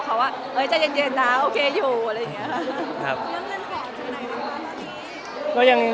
ก็พยายามจะบอกเขาว่าเฮ้ยจัดยั่นนะโอเคอยู่อะไรอย่างนี้ค่ะ